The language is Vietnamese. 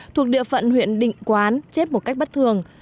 thuộc địa phận huyện định quán chết một cách bất thường